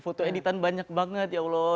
foto editan banyak banget ya allah